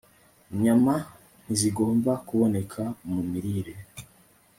Inyama Ntizigomba Kuboneka mu Mirire